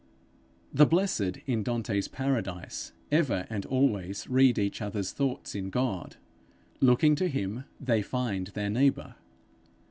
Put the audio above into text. The blessed in Dante's Paradise ever and always read each other's thoughts in God. Looking to him, they find their neighbour.